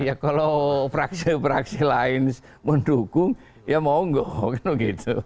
ya kalau praksi praksi lain mendukung ya mau enggak gitu